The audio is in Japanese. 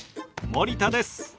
森田です！